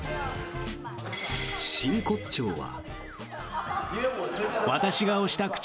真骨頂は。